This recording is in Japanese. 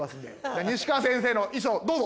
西川先生の衣装どうぞ。